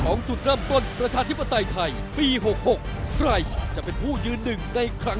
ขอบพระคุณค่ะสวัสดีค่ะ